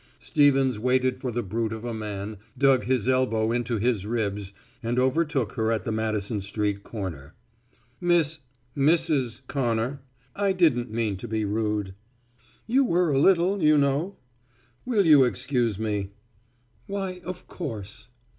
Stevens waited for the brute of a man, dug his elbow into his ribs and overtook her at the Madison Street corner. "Miss Mrs. Connor, I didn't mean to be rude." "You were a little, you know." "Will you excuse me?" "Why, of course."